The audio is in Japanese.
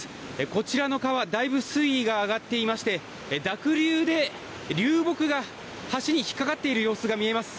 こちらの川だいぶ水位が上がっていまして濁流で流木が橋に引っかかっている様子が見えます。